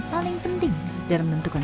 paling penting dalam menentukan